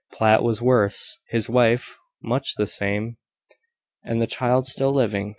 Platt was worse, his wife much the same, and the child still living.